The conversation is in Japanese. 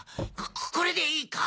これでいいか？